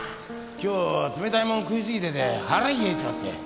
今日冷たいもん食いすぎてて腹冷えちまって！